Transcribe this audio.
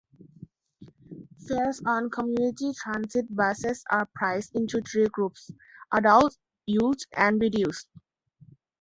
Fares on Community Transit buses are priced into three groups: adult, youth, and reduced.